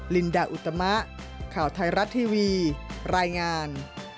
ลินดาอุตมะข่าวไทยรัฐทีวีรายงาน